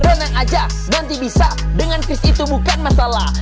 renang aja nanti bisa dengan fish itu bukan masalah